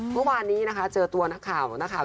เมื่อวานนี้นะคะเจอตัวนักข่าวนะคะ